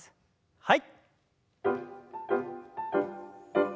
はい。